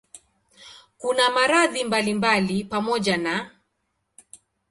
Kuna maradhi mbalimbali pamoja na